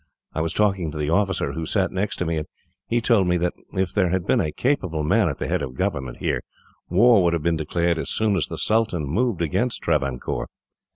I was talking to the officer who sat next to me, and he told me that, if there had been a capable man at the head of government here, war would have been declared as soon as the Sultan moved against Travancore.